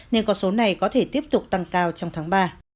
nên con số này có thể tiếp tục tăng cao trong tháng ba